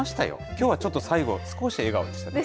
きょうはちょっと、最後少し笑顔でしたね。